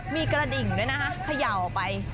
มีกระดิ่งด้วยนะคะเขย่าออกไป